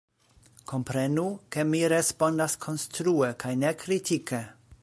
Komprenu, ke mi respondas konstrue kaj ne kritike.